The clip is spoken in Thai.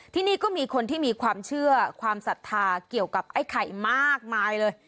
ที่นี่ก็มีคนที่มีความเชื่อความศรัทธาเกี่ยวกับไอ้ไข่มากมายเลย